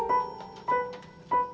ah ya kan